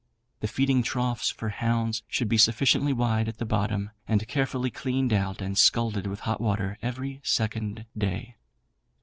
The feeding troughs for hounds should be sufficiently wide at the bottom and carefully cleaned out and scalded with hot water every second day.